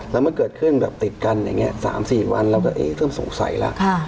แล้วมันเกิดขึ้นแบบติดกันอย่างนี้๓๔วันเราก็เริ่มสงสัยแล้ว